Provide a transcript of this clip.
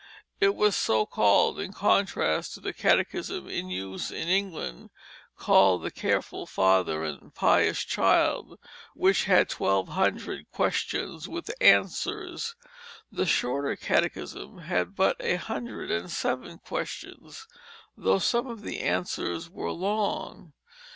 It was so called in contrast to the catechism in use in England called The Careful Father and Pious Child, which had twelve hundred questions with answers. The Shorter Catechism had but a hundred and seven questions, though some of the answers were long.